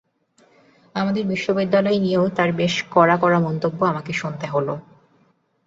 আমাদের বিশ্ববিদ্যালয় নিয়েও তাঁর বেশ কড়া কড়া মন্তব্য আমাকে শুনতে হলো।